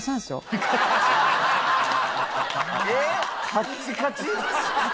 カチカチ。